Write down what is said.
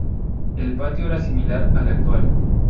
El patio era similar al actual.